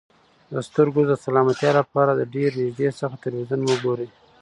د سترګو د سلامتیا لپاره د ډېر نږدې څخه تلویزیون مه ګورئ.